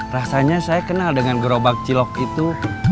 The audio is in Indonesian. rasanya saya kenal dengan gerobak cilok itu